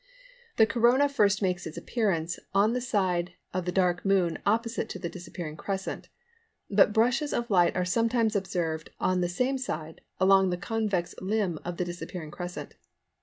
] The Corona first makes its appearance on the side of the dark Moon opposite to the disappearing crescent, but brushes of light are sometimes observed on the same side, along the convex limb of the disappearing crescent.